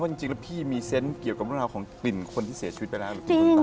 ว่าพี่มีเซ็นต์เกี่ยวกับเรื่องราวของกลิ่นคนที่เสียชีวิตไปแล้ว